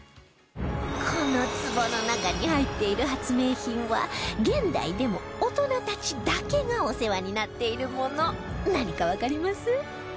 この壺の中に入っている発明品は現代でも、大人たちだけがお世話になっているもの何かわかります？